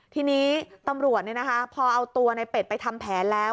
ทีนี้ตำรวจพอเอาตัวในเป็ดไปทำแผนแล้ว